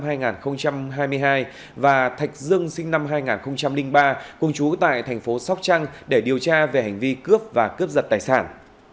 thạch dương sinh năm hai nghìn hai và thạch dương sinh năm hai nghìn ba cùng chú tại thành phố sóc trăng để điều tra về hành vi cướp và cướp giật tài sản